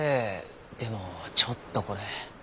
でもちょっとこれ。